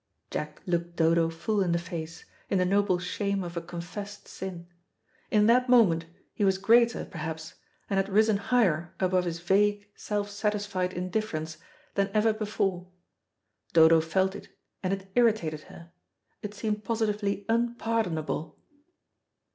Jack looked Dodo full in the face, in the noble shame of a confessed sin: In that moment he was greater, perhaps, and had risen higher above his vague self satisfied indifference than ever before. Dodo felt it, and it irritated her, it seemed positively unpardonable.